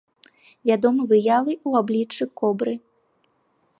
Вядомы выявы ў абліччы кобры.